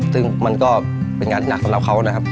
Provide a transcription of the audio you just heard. ซึ่งมันก็เป็นงานที่หนักสำหรับเขานะครับ